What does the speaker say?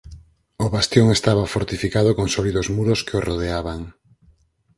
O bastión estaba fortificado con sólidos muros que o rodeaban.